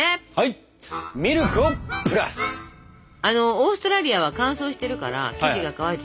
オーストラリアは乾燥してるから生地が乾いてしまうでしょ。